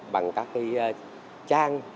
bằng các cái trang